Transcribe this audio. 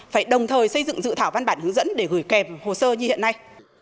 phải đồng thời xây dựng dự thảo văn bản hướng dẫn để gửi kèm hồ sơ như hiện nay